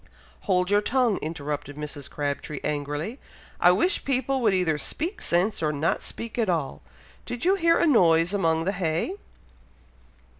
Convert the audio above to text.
"Hold your tongue," interrupted Mrs. Crabtree, angrily. "I wish people would either speak sense, or not speak at all! Did you hear a noise among the hay?"